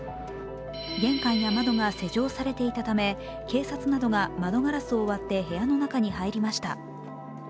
玄関や窓が施錠されていたため警察などが窓ガラスを割って部屋の中に入りました。